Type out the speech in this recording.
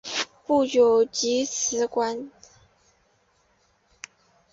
不久即辞官。